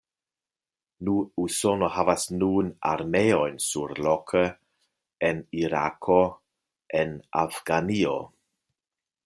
Nu, Usono havas nun armeojn surloke, en Irako, en Afganio.